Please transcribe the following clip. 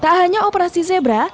tak hanya operasi zebra